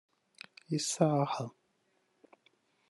isaha